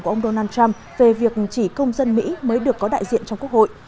của ông donald trump về việc chỉ công dân mỹ mới được có đại diện trong quốc hội